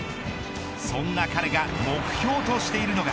そんな彼が目標としているのが。